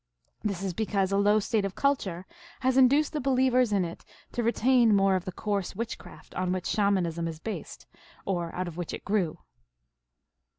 This is because a low state of culture has induced the believers in it to retain more of the coarse witchcraft on which Shamanism was based, or out of which it grew.